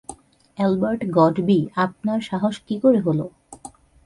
Albert Godby, আপনার সাহস কি করে হল!